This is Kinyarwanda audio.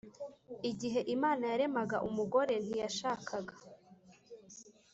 igihe Imana yaremaga umugore ntiyashakaga